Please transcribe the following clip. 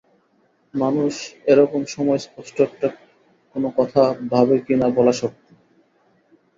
মানুষ এরকম সময় স্পষ্ট একটা কোনো কথা ভাবে কি না বলা শক্ত।